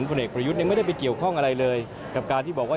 สบุรุณเอกประยุทธ์นึงไม่ได้ไปเกี่ยวข้องอะไรเลยแต่บากที่บอกว่า